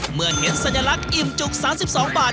เมื่อเห็นสัญลักษณ์อิ่มจุก๓๒บาทขึ้นที่หน้าจอ